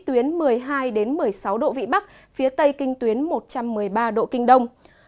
tuyến một mươi hai một mươi sáu độ vị bắc phía tây kinh tuyến một trăm một mươi ba độ kinh đông